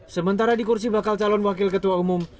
sementara di kursi bakal calon wakil ketua umum